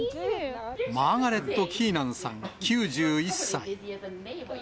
マーガレット・キーナンさん９１歳。